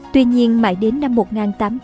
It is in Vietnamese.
tuy nhiên mại đến năm một nghìn tám trăm bảy mươi ba